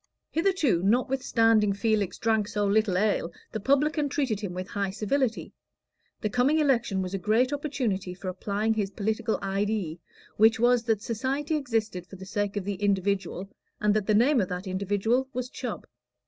Hitherto, notwithstanding Felix drank so little ale, the publican treated him with high civility. The coming election was a great opportunity for applying his political "idee," which was, that society existed for the sake of the individual, and that the name of that individual was Chubb.